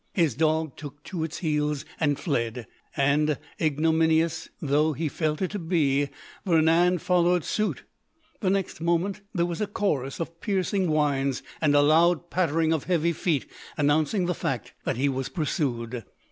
His dog took to its heels and fled, and, ignominious though he felt it to be, Vernand followed suit. The next moment there was a chorus of piercing whines, and a loud pattering of heavy feet announced the fact that he was pursued.